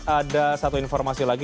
ada satu informasi lagi